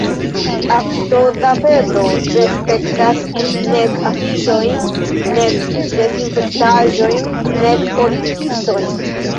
Aftoza febro respektas nek afiŝojn, nek desinfektaĵojn, nek politikistojn.